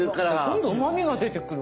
どんどんうまみが出てくる。